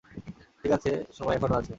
ঠিক আছে, সময় এখনও আছে।